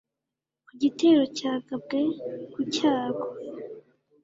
ku gitero cyagabwe, ku cyago